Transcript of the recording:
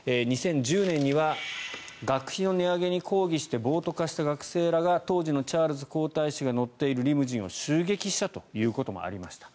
２０１０年には学費の値上げに抗議して、暴徒化した学生らが当時のチャールズ皇太子が乗っているリムジンを襲撃したということもありました。